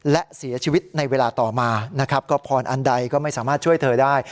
และเสียชีวิตในเวลาต่อมานะครับก็พรอันใดก็ไม่สามารถช่วยเธอได้